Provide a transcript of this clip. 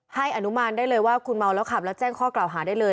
อนุมานได้เลยว่าคุณเมาแล้วขับแล้วแจ้งข้อกล่าวหาได้เลย